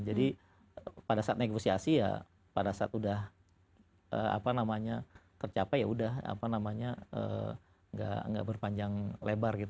jadi pada saat negosiasi ya pada saat udah apa namanya tercapai ya udah apa namanya gak berpanjang level ya